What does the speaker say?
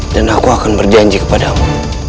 dan aku akan berjanji kepadamu